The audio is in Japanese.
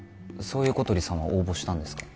そういう小鳥さんは応募したんですか？